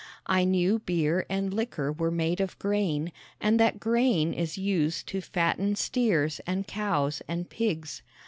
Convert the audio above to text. I knew beer and liquor were made of grain, and that grain is used to fatten steers and cows and pigs.